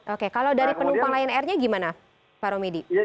oke kalau dari penumpang lion air nya gimana pak romedy